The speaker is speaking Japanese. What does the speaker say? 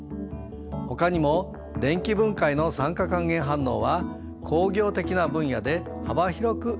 ほかにも電気分解の酸化還元反応は工業的な分野で幅広く利用されている。